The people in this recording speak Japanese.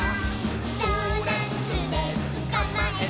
「ドーナツでつかまえた！」